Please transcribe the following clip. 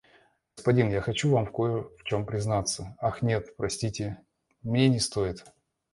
Господин, я хочу вам кое в чём признаться, ах, нет, простите, мне не стоит.